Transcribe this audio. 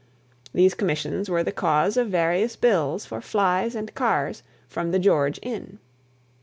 These commissions were the cause of various bills for flys and cars from the George Inn.